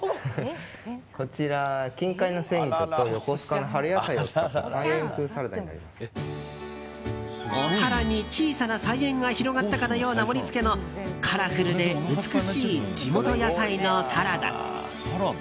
こちらが近海の鮮魚と横須賀の春野菜を使ったお皿に小さな菜園が広がったかのような盛り付けのカラフルで美しい地元野菜のサラダ。